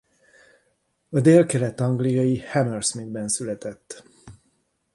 A délkelet-angliai Hammersmithben született.